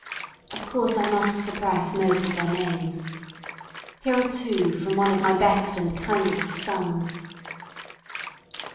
Of course I must suppress most of their names. Here are two from one of my best and kindest sons.